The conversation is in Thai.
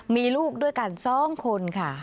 มีลูกด้วยกัน๒คนค่ะ